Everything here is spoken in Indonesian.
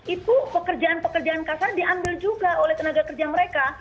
itu pekerjaan pekerjaan kasar diambil juga oleh tenaga kerja mereka